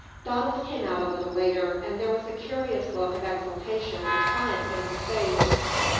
Donald came out a little later, and there was a curious look of exultation and triumph in his face.